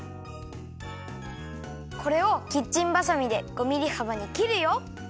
これをキッチンバサミで５ミリはばにきるよ。